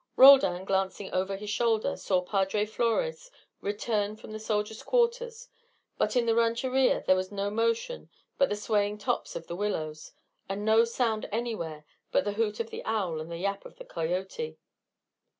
Roldan, glancing over his shoulder, saw Padre Flores return from the soldiers' quarters; but in the rancheria there was no motion but the swaying tops of the willows, and no sound anywhere but the hoot of the owl and the yap of the coyote.